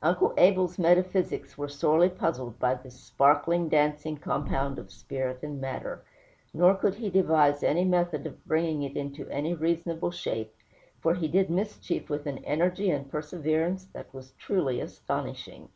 Uncle Abel's metaphysics were sorely puzzled by this sparkling, dancing compound of spirit and matter; nor could he devise any method of bringing it into any reasonable shape, for he did mischief with an energy and perseverance that was truly astonishing.